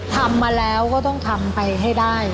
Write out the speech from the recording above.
ทำมาแล้วก็ต้องทำไปให้ได้